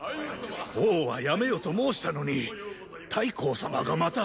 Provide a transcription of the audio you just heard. “王”はやめよと申したのに太后様がまた。